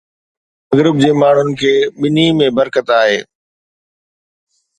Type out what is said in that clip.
مغرب جي ماڻهن کي ٻنهي ۾ برڪت آهي.